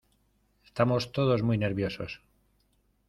estamos todos muy nerviosos.